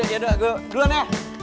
yaudah gua duluan ya